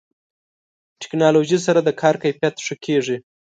ټکنالوژي سره د کار کیفیت ښه کېږي.